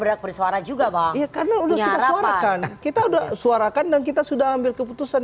berbual bersuara juga banget karena udah kita udah suarakan dan kita sudah ambil keputusan